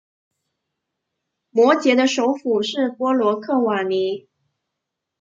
摩羯的首府是波罗克瓦尼。